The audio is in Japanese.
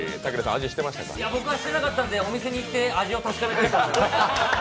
僕はしてなかったのでお店に行って味を確かめたい。